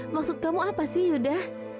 maksud kamu apa sih yuda